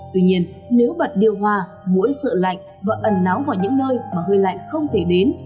tuy nhiên nếu bật điều hòa mũi sợ lạnh và ẩn náu vào những nơi mà hơi lạnh không thể đến